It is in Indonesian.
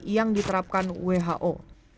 yang diterapkan who